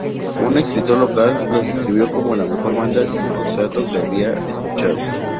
Un escritor local los describió como la mejor banda sin contrato que había escuchado.